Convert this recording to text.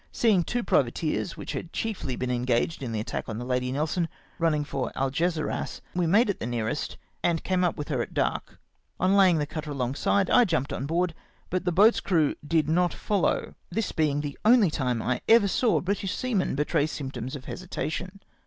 Seeing two privateers which had chiefly been engaged in the attack on the Lady Nelson run ning for Algesiras, we made at the nearest, and came up with her at dark. On laying the cutter alongside, I jumped on board, but the boat's crew did not follow, this being the only time I ever saw British seamen betray symptoms of hesitation.